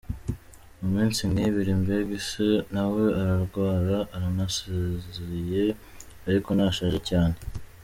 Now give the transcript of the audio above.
Mu minsi nk’ibiri mbega ise nawe ararwara aranisaziye ariko nashaje cyane.